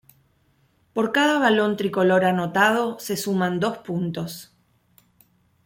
Por cada balón tricolor anotado, se suman dos puntos.